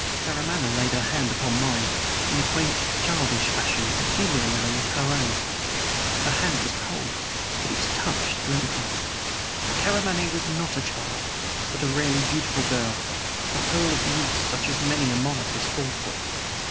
Karamaneh laid her hand upon mine, in a quaint, childish fashion peculiarly her own. Her hand was cold, but its touch thrilled me. For Karamaneh was not a child, but a rarely beautiful girl a pearl of the East such as many a monarch has fought for.